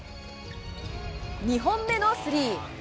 ２本目のスリー。